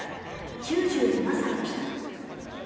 ９７歳でした。